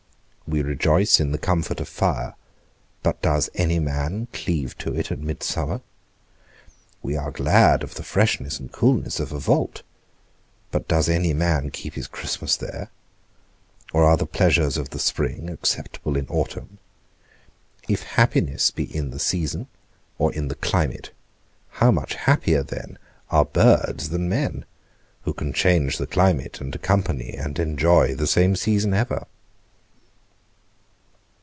We rejoice in the comfort of fire, but does any man cleave to it at midsummer? We are glad of the freshness and coolness of a vault, but does any man keep his Christmas there; or are the pleasures of the spring acceptable in autumn? If happiness be in the season, or in the climate, how much happier then are birds than men, who can change the climate and accompany and enjoy the same season ever.